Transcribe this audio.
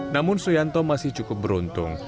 namun suyanto masih cukup beruntung